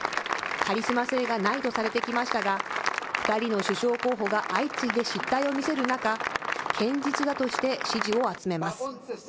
カリスマ性がないとされてきましたが、２人の首相候補が相次いで失態を見せる中、堅実だとして支持を集めます。